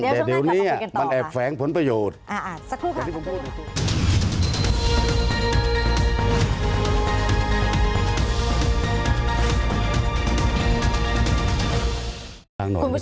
แต่วันนี้มันแอบแฟ้งผลประโยชน์